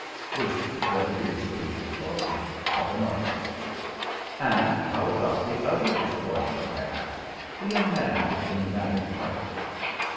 This is what it is to be the daughter of an artist. "And how about the other despoiler," I asked "the young man with the pneumatic pipe?"